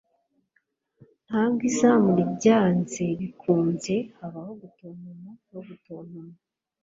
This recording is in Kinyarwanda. Nta mbwa izamu byanze bikunze habaho gutontoma no gutontoma